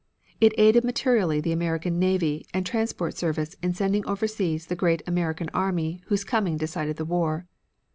It aided materially the American navy and transport service in sending overseas the great American army whose coming decided the war.